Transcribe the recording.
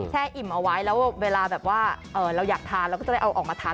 แอิ่มเอาไว้แล้วเวลาแบบว่าเราอยากทานเราก็จะได้เอาออกมาทาน